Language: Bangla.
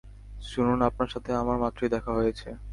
শুনুন আপনার সাথে আমার মাত্রই দেখা হয়েছে।